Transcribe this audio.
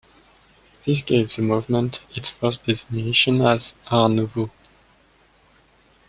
This gave the movement its first designation as Art Nouveau.